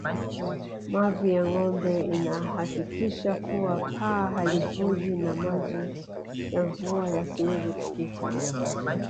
Mavi ya ngombe inahakikisha kuwa paa halivuji na maji ya mvua yasiweze kupita